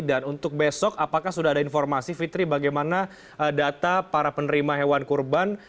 dan untuk besok apakah sudah ada informasi fitri bagaimana data para penerima hewan kurban